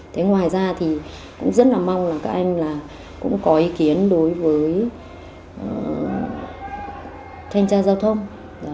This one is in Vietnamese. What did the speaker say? thế ngoài ra thì cũng rất là mong là các anh là cũng có ý kiến đối với thanh tra giao thông